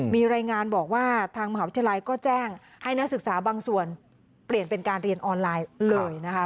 มีรายงานบอกว่าทางมหาวิทยาลัยก็แจ้งให้นักศึกษาบางส่วนเปลี่ยนเป็นการเรียนออนไลน์เลยนะคะ